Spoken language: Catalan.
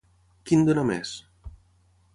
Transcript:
Qui en dóna més?